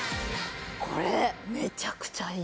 これめちゃくちゃいい。